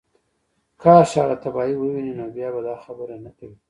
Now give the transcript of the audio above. کاش هغه تباهۍ ووینې نو بیا به دا خبرې نه کوې